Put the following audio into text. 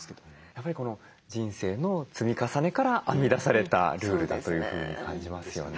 やっぱり人生の積み重ねから編み出されたルールだというふうに感じますよね。